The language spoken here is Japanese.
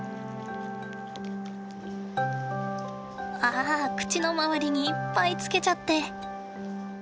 あ口の周りにいっぱいつけちゃって。